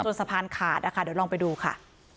สะพานขาดนะคะเดี๋ยวลองไปดูค่ะ